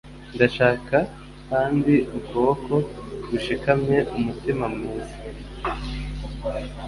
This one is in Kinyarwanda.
Ndashaka hand ukuboko gushikamye. Umutima mwiza. ”